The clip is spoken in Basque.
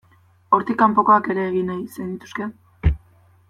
Hortik kanpokoak ere egin nahi zenituzke?